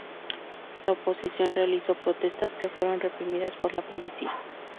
La oposición realizó protestas que fueron reprimidas por la policía.